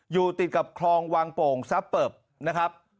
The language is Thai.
อยู่ติดกับคลองวังโป่งซับเปิบนะครับ